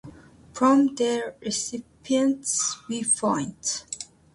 This is one form the header might take from the recipient's viewpoint.